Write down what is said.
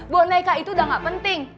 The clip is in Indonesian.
boneka itu udah gak penting